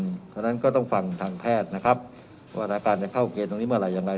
เพราะฉะนั้นก็ต้องฟังทางแพทย์นะครับว่าอาการจะเข้าเกณฑ์ตรงนี้เมื่อไหร่อย่างไร